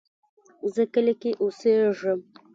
زه کلی کې اوسیږم